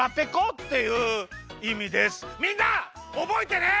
みんなおぼえてね！